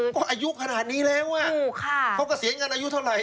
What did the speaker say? ก็อายุขนาดนี้แล้วเขาเกษียณอายุเท่าไหร